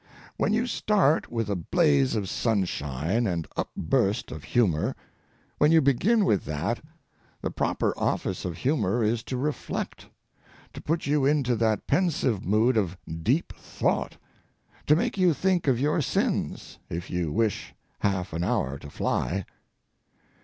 When you start with a blaze of sunshine and upburst of humor, when you begin with that, the proper office of humor is to reflect, to put you into that pensive mood of deep thought, to make you think of your sins, if you wish half an hour to fly.